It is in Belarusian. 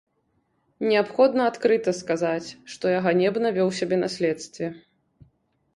Неабходна адкрыта сказаць, што я ганебна вёў сябе на следстве.